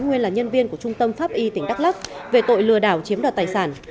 nguyên là nhân viên của trung tâm pháp y tỉnh đắk lắc về tội lừa đảo chiếm đoạt tài sản